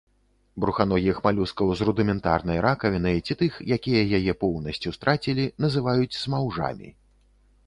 Бруханогіх малюскаў з рудыментарнай ракавінай ці тых, якія яе поўнасцю страцілі, называюць смаўжамі.